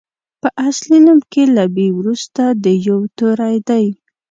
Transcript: په اصلي نوم کې له بي وروسته د يوو توری دی.